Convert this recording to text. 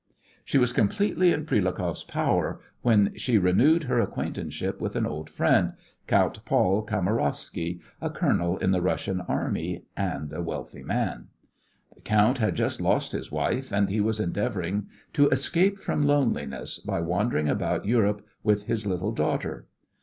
She was completely in Prilukoff's power when she renewed her acquaintanceship with an old friend, Count Paul Kamarowsky, a colonel in the Russian Army, and a wealthy man. The count had just lost his wife, and he was endeavouring to escape from loneliness by wandering about Europe with his little daughter.